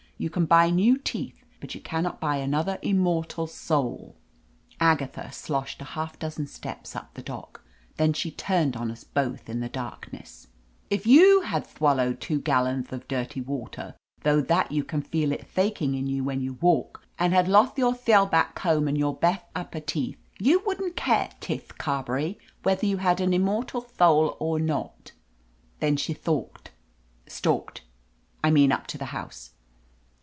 You can buy new teeth, but you can not buy another im mortal soul." Agatha sloshed a half dozen steps up the dock. Then she turned on us both in the dark ness. 302 OF LETITIA CARBERRY "If you had thwallowed two gallonth of dirty water, tho that you can feel it thaking in you when you walk, and had lotht your thell back comb and your betht upper teeth, you wouldn't care, Tith Carberry, whether you had an immortal thoul or not." Then she thtalked — stalked, I mean, up to the house.